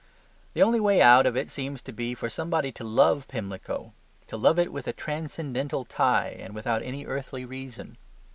The only way out of it seems to be for somebody to love Pimlico: to love it with a transcendental tie and without any earthly reason.